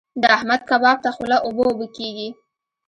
د احمد کباب ته خوله اوبه اوبه کېږي.